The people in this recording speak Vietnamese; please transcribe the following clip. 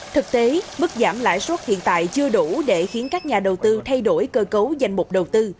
thực tế mức giảm lãi suất hiện tại chưa đủ để khiến các nhà đầu tư thay đổi cơ cấu danh mục đầu tư